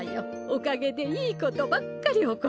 おかげでいいことばっかり起こるの。